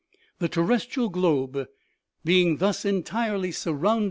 " The terrestrial globe being thus entirely surrounded OMEGA.